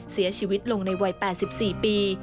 เสียชีวิตลงในวัย๘๔ปี